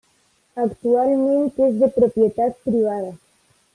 Actualment és de propietat privada.